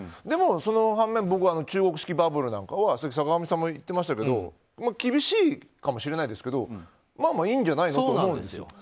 でも、その反面僕は中国式バブルなんかは坂上さんも言ってましたけど厳しいかもしれないけどまあいいんじゃないのと思うんです。